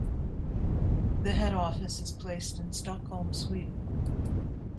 The head office is placed in Stockholm, Sweden.